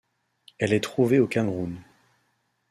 Elle est trouvée au Cameroun.